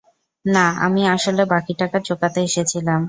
না, আমি আসলে বাকি টাকা চোকাতে এসেছিলাম।